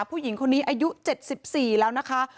ผู้หญิงคนนี้อายุ๗๔แล้วนะคะ